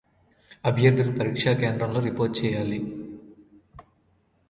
అభ్యర్థులు పరీక్ష కేంద్రాల్లో రిపోర్ట్ చేయాలి